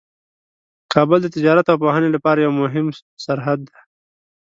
کابل د تجارت او پوهنې لپاره یوه مهمه سرحد ده.